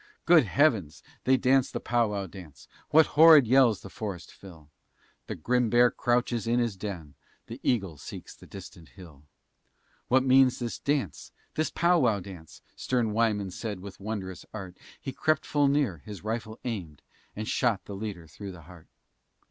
Good heavens! they dance the Powow dance, What horrid yells the forest fill? The grim bear crouches in his den, The eagle seeks the distant hill. What means this dance, this Powow dance? Stern Wyman said; with wonderous art, He crept full near, his rifle aimed, And shot the leader through the heart.